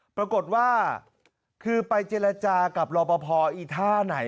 ปรากฏว่าคือไปเจรจากับรอปภอีท่าไหน